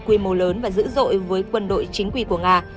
quy mô lớn và dữ dội với quân đội chính quy của nga